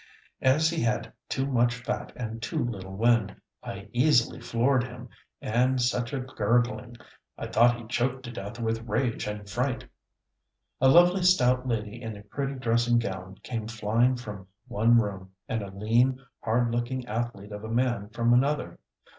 As he had too much fat and too little wind, I easily floored him, and such a gurgling I thought he'd choke to death with rage and fright. A lovely stout lady in a pretty dressing gown came flying from one room, and a lean, hard looking athlete of a man from another.